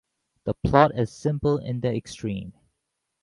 The plot is simple in the extreme.